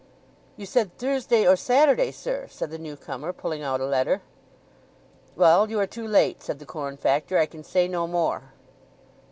"You said Thursday or Saturday, sir," said the newcomer, pulling out a letter. "Well, you are too late," said the corn factor. "I can say no more."